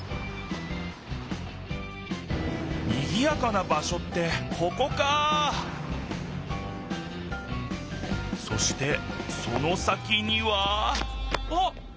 にぎやかな場しょってここかそしてその先にはあっ！